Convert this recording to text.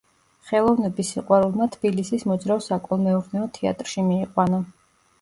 ხელოვნების სიყვარულმა თბილისის მოძრავ საკოლმეურნეო თეატრში მიიყვანა.